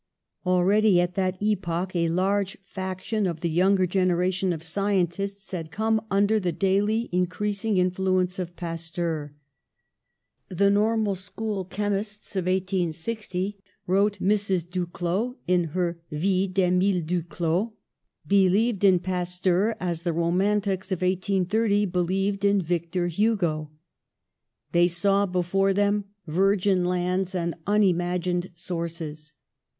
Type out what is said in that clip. Already at that epoch a large faction of the younger generation of scientists had come un der the daily increasing influence of Pasteur. "The Normal School chemists of I860," wrote Mrs. Duclaux, in her Vie d'^mile Duclaux, "be FOR THE NATIONAL WEALTH 73 lieved in Pasteur as the romantics of 1830 be lieved in Victor Hugo. They saw before them virgin lands and unimagined sources.